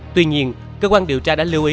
tuy nhiên cơ quan điều tra đã lưu ý